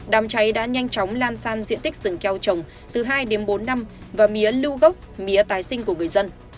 đám cháy đã nhanh chóng lan sang diện tích rừng keo trồng từ hai đến bốn năm và mía lưu gốc mía tái sinh của người dân